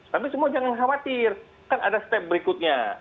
tapi semua jangan khawatir kan ada step berikutnya